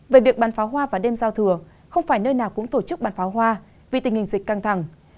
về việc bàn pháo hoa và đêm giao thừa không phải nơi nào cũng tổ chức bàn pháo hoa vì tình hình dịch căng thẳng